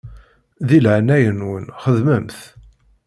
Di leɛnaya-nwen xedmem-t.